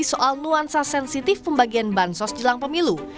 soal nuansa sensitif pembagian bansos jelang pemilu